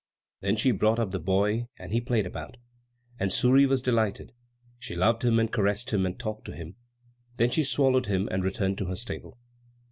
Then she brought up the boy; and he played about, and Suri was delighted; she loved him and caressed him, and talked to him. Then she swallowed him, and returned to her stable.